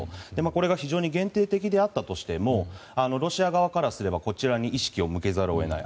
これが限定的であったとしてもロシア側からすればこちらに意識を向けざるを得ない。